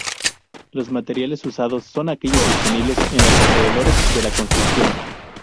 Los materiales usados son aquellos disponibles en los alrededores de la construcción.